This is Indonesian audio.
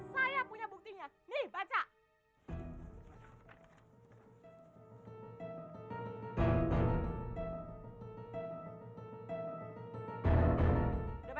saya punya buktinya